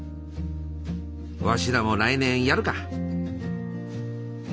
わしらも来年やるか！